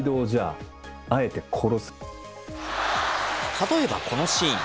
例えばこのシーン。